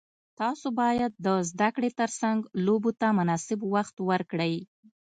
تاسو باید د زده کړې ترڅنګ لوبو ته مناسب وخت ورکړئ.